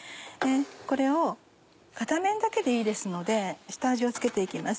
これを片面だけでいいですので下味を付けて行きます。